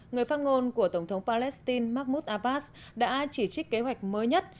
người phát ngôn của tổng thống palestine mahmoud abbas đã chỉ trích kế hoạch mới nhất